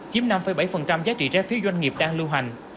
chiếm năm bảy giá trị trái phiếu doanh nghiệp đang lưu hành